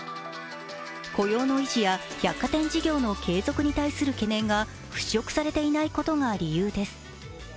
雇用の維持や、百貨店事業の継続に対する懸念が払拭されていないことが理由です。